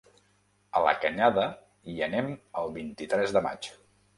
A la Canyada hi anem el vint-i-tres de maig.